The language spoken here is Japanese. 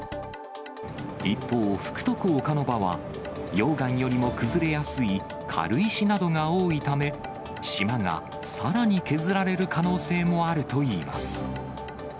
一方、福徳岡ノ場は、溶岩よりも崩れやすい軽石などが多いため、島がさらに削られる可能性もあるといいます。